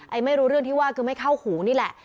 ไม่รู้เรื่องที่ว่าคือไม่เข้าหูนี่แหละ